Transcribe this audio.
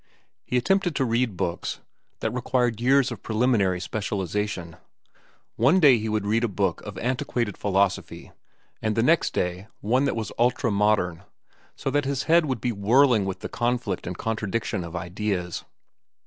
He attempted to read books that required years of preliminary specialization. One day he would read a book of antiquated philosophy, and the next day one that was ultra modern, so that his head would be whirling with the conflict and contradiction of ideas.